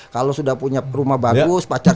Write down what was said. kalo sudah punya rumah bagus pacar